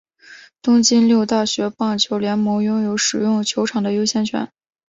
东京六大学棒球联盟拥有使用球场的优先权。